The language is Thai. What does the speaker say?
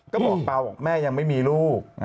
ก็บอกเปล่าบอกแม่ยังไม่มีลูก